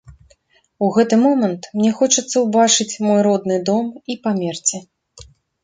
У гэты момант мне хочацца ўбачыць мой родны дом і памерці.